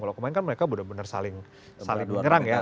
kalau kemarin kan mereka benar benar saling menyerang ya